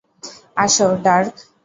আসো, ডার্ক।